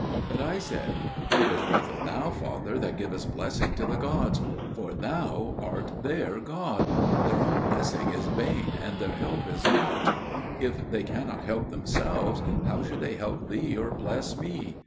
But I said, "It is rather thou, father, that givest blessing to the gods, for thou art their god; their own blessing is vain and their help is naught: if they cannot help themselves, how should they help thee or bless me?"